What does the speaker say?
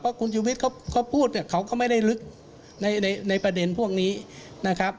คุณชุวิตเขาพูดเนี่ยเขาก็ไม่ได้ลึกในประเด็นพวกนี้นะครับ